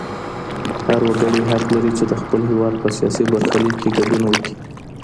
هر وګړی حق لري چي د خپل هېواد په سیاسي برخلیک کي ګډون وکړي.